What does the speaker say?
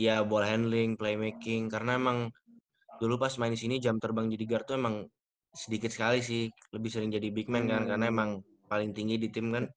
ya ball handling playmaking karena emang dulu pas main di sini jam terbang jadi guard tuh emang sedikit sekali sih lebih sering jadi big man kan karena emang paling tinggi di tim kan